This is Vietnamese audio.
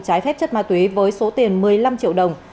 trái phép chất ma túy với số tiền một mươi năm triệu đồng